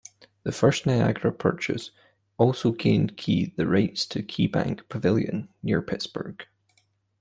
The First Niagara purchase also gained Key the rights to KeyBank Pavilion near Pittsburgh.